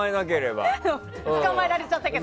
捕まえられちゃったけど。